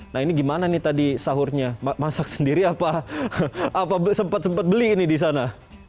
nah ini gimana nih tadi sahurnya masak sendiri apa sempat sempat beli ini di sana